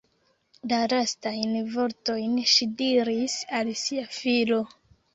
La lastajn vortojn ŝi diris al sia filo.